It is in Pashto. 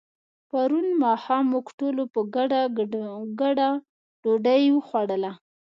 پرون ماښام موږ ټولو په ګډه ډوډۍ وخوړله.